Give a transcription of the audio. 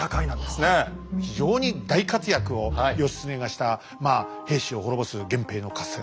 非常に大活躍を義経がした平氏を滅ぼす源平の合戦。